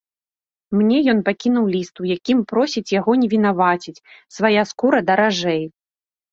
Мне ён пакінуў ліст, у якім просіць яго не вінаваціць, свая скура даражэй.